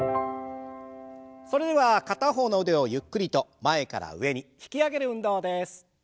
それでは片方の腕をゆっくりと前から上に引き上げる運動です。